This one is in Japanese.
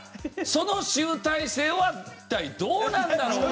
その集大成は一体どうなんだろう。